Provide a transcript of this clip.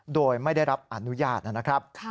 โดยไม่ได้รับอนุญาตนะครับ